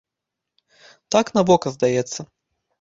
Так на вока здаецца.